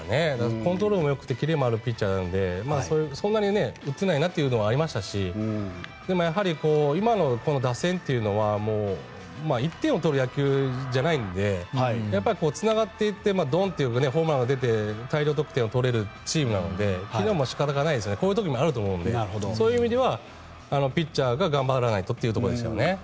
コントロールもよくてキレもあるピッチャーなのでそんなに打てないなというのはありましたしでも、やはり今の打線というのは１点を取る野球じゃないのでやっぱりつながっていってドンというホームランが出て大量得点を取れるチームなので昨日も仕方がないですねこういう時もあると思うのでそういう意味ではピッチャーが頑張らないとというところですよね。